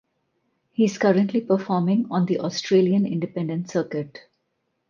He is currently performing on the Australian independent circuit.